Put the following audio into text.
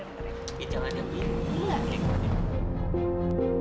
eh jangan nek